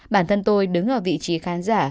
bản thân tôi đứng ở vị trí khán giả